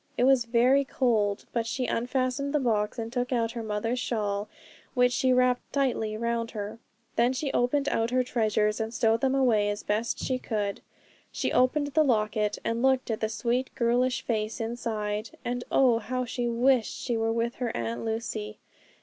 It was very cold, but she unfastened the box and took out her mother's shawl, which she wrapped tightly round her. Then she opened out her treasures and stowed them away as best she could. She opened the locket, and looked at the sweet, girlish face inside and oh, how she wished she were with her Aunt Lucy.